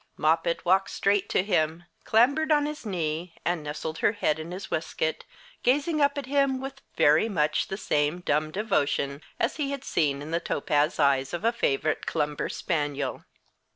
Moppet walked straight to him, clambered on his knee, and nestled her head in his waistcoat, gazing up at him with very much the same dumb devotion he had seen in the topaz eyes of a favorite Clumber spaniel.